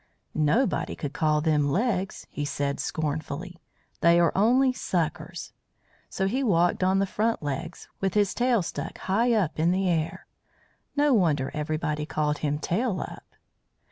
"Nobody could call them legs," he said scornfully. "They are only suckers." So he walked on the front legs, with his tail stuck high in the air. No wonder everybody called him Tail up.